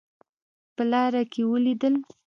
په لاره کې ولیدل.